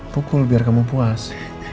pukul biar kamu puas